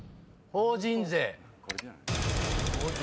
法人税。